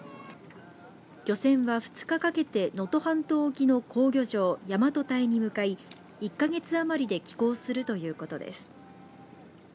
漁船は２日かけて能登半島沖の好漁場大和堆に向かい１か月余りで帰港するということです。